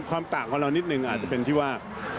ความต่างของเรานิดนึงอาจจะเป็นที่ว่า